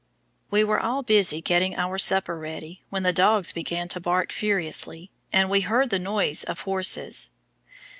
We were all busy getting our supper ready when the dogs began to bark furiously, and we heard the noise of horses.